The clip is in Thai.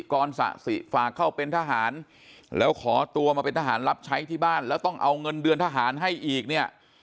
กรสะสิฝากเข้าเป็นทหารแล้วขอตัวมาเป็นทหารรับใช้ที่บ้านแล้วต้องเอาเงินเดือนทหารให้อีกเนี่ย